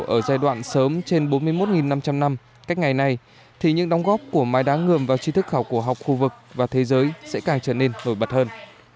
ở giai đoạn sớm trên bốn mươi một năm trăm linh năm cách ngày nay thì những đóng góp của mái đá ngườm vào trí thức khảo cổ học khu vực và thế giới sẽ càng trở nên nổi bật hơn